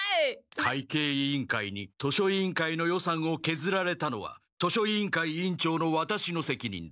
会計委員会に図書委員会の予算をけずられたのは図書委員会委員長のワタシのせきにんだ。